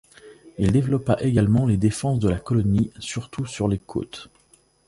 Il développa également les défenses de la colonie, surtout sur les côtes.